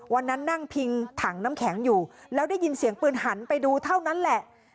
วันนั้นนั่งพิงถังน้ำแข็งอยู่แล้วได้ยินเสียงปืนหันไปดูเท่านั้นแหละ